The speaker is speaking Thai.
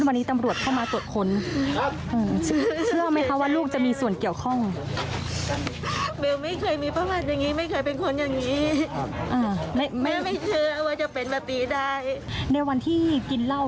ในวันที่กินเหล้า